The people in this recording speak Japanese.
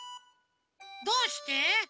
どうして？